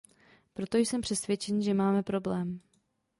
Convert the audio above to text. Proto jsem přesvědčen, že máme problém.